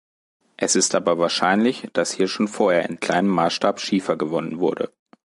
Es ist aber wahrscheinlich, dass hier schon vorher in kleinem Maßstab Schiefer gewonnen wurde.